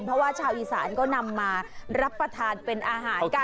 เพราะว่าชาวอีสานก็นำมารับประทานเป็นอาหารกัน